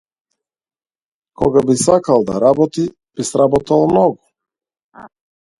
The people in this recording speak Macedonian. Кога би сакал да работи би сработил многу.